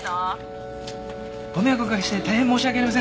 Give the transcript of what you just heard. ご迷惑お掛けして大変申し訳ありません。